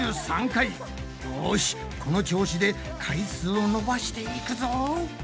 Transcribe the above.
よしこの調子で回数を伸ばしていくぞ！